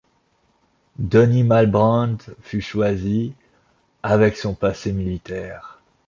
Denis Malbrand fut choisi, avec son passé militaire.